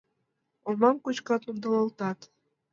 Олмам кочкат — ондалалтат